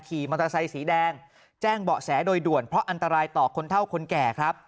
ขี่มอเตอร์ไซค์สีแดงแจ้งเบาะแสโดยด่วนเพราะอันตรายต่อคนเท่าคนแก่ครับ